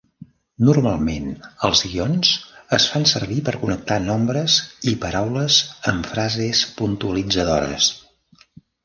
Normalment els guions es fan servir per connectar nombres i paraules en frases puntualitzadores.